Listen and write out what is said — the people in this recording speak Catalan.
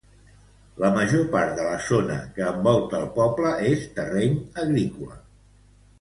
La major part de la zona que envolta el poble és terreny agrícola.